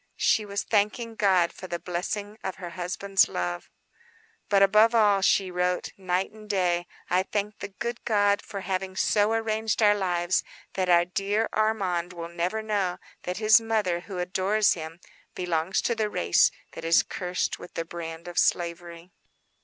She was thanking God for the blessing of her husband's love:— "But above all," she wrote, "night and day, I thank the good God for having so arranged our lives that our dear Armand will never know that his mother, who adores him, belongs to the race that is cursed with the brand of slavery."